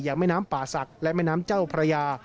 แม่น้ำป่าศักดิ์และแม่น้ำเจ้าพระยา